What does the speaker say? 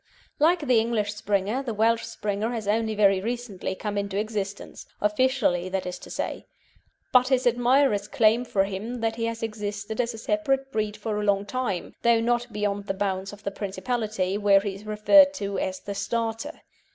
Like the English Springer, the Welsh Springer has only very recently come into existence officially, that is to say; but his admirers claim for him that he has existed as a separate breed for a long time, though not beyond the bounds of the Principality, where he is referred to as the Starter.